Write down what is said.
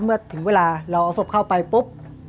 เมื่อถึงเวลาเราเอาศพเข้าไปปุ๊บ